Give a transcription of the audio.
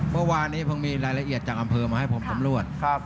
เมื่อวานนี้ผมมีรายละเอียดจากอำเภอมาให้ผมสำรวจ